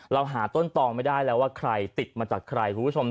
เราหาต้นตองไม่ได้แล้วว่าใครติดมาจากใครคุณผู้ชม